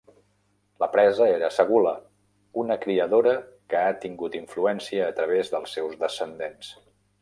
La presa era Segula, una criadora que ha tingut influència a través dels seus descendents.